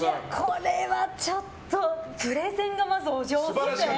これはちょっとプレゼンがお上手で。